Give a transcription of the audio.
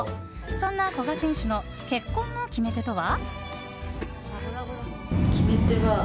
そんな古賀選手の結婚の決め手とは？